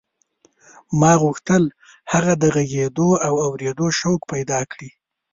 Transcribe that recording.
ما غوښتل هغه د غږېدو او اورېدو شوق پیدا کړي